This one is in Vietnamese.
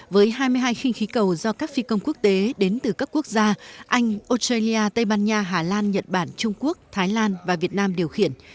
với hai mươi hai khinh khí cầu do các phi công quốc tế đến từ các quốc gia anh australia tây ban nha hà lan nhật bản trung quốc thái lan và việt nam điều khiển